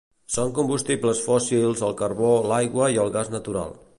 Són combustibles fòssils el carbó, l'aigua i el gas natural.